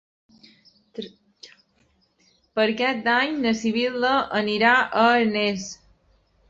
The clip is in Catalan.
Per Cap d'Any na Sibil·la anirà a Arnes.